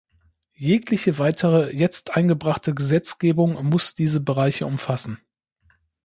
Jegliche weitere jetzt eingebrachte Gesetzgebung muss diese Bereiche umfassen.